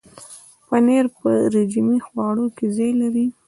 پنېر په رژیمي خواړو کې ځای لري.